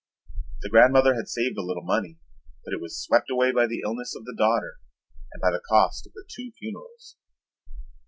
The grandmother had saved a little money, but it was swept away by the illness of the daughter and by the cost of the two funerals.